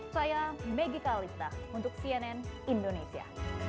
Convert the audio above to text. saya megi kalista untuk cnn indonesia